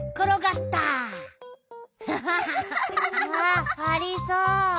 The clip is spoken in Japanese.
あありそう。